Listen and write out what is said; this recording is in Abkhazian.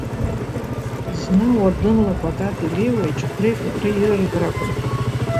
Зны уардынла Кәатати Леиуеи аџьықәреи Кәдры ирыргар акәын.